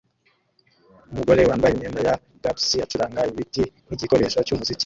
Umugore wambaye imyenda ya gypsy acuranga ibiti nkigikoresho cyumuziki